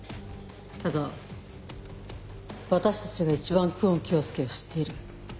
ただ私たちが一番久遠京介を知っている。